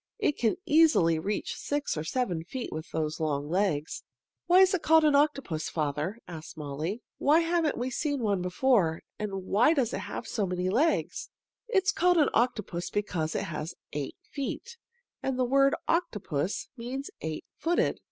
It can easily reach six or seven feet with those long legs." "Why is it called an octopus, father?" asked Molly. "Why haven't we seen one before, and what does it do with so many legs?" "It is called an octopus because it has eight feet, and the word octopus means 'eight footed.'